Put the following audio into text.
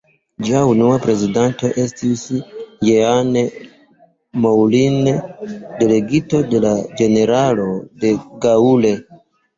Ĝia unua prezidanto estis Jean Moulin, delegito de la generalo de Gaulle.